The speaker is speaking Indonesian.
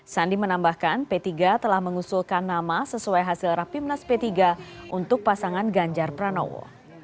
sandi menambahkan p tiga telah mengusulkan nama sesuai hasil rapimnas p tiga untuk pasangan ganjar pranowo